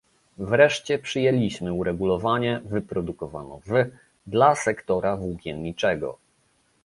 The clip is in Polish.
Wreszcie przyjęliśmy uregulowanie "wyprodukowano w" dla sektora włókienniczego